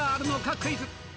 クイズ。